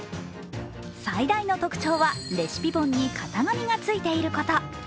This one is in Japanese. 最大の特徴は、レシピ本に型紙がついていること。